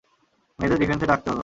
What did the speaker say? মেয়েদের ডিফেন্সে ডাকতে হলো?